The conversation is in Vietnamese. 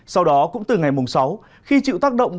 sau đó cũng từ ngày mùng sáu khi chịu tác động